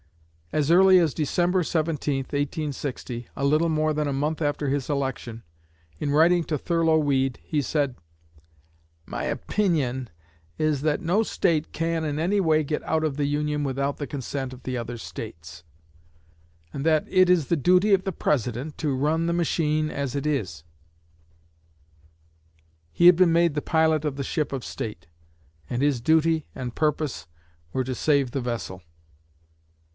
As early as December 17, 1860 a little more than a month after his election in writing to Thurlow Weed, he said: "My opinion is that no State can in any way get out of the Union without the consent of the other States; and that it is the duty of the President to run the machine as it is." He had been made the pilot of the ship of State, and his duty and purpose were to save the vessel.